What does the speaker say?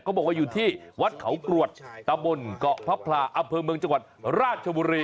บอกว่าอยู่ที่วัดเขากรวดตะบนเกาะพระพลาอำเภอเมืองจังหวัดราชบุรี